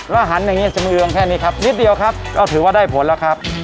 แล้วหันอย่างนี้สำเรืองแค่นี้ครับนิดเดียวครับก็ถือว่าได้ผลแล้วครับ